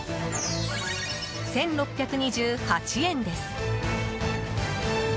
１６２８円です。